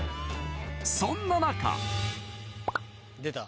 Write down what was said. そんな中出た。